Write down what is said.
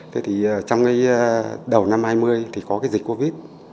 thế thì trong cái đầu năm hai nghìn thì có cái dịch covid